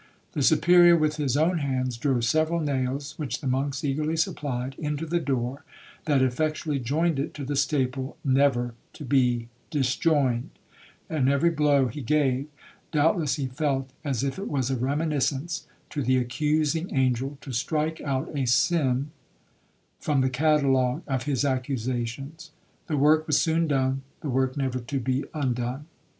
The Superior, with his own hands, drove several nails, which the monks eagerly supplied, into the door, that effectually joined it to the staple, never to be disjoined; and every blow he gave, doubtless he felt as if it was a reminiscence to the accusing angel, to strike out a sin from the catalogue of his accusations. The work was soon done,—the work never to be undone.